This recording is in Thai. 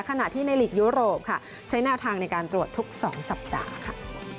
ขณะที่ในหลีกยุโรปค่ะใช้แนวทางในการตรวจทุก๒สัปดาห์ค่ะ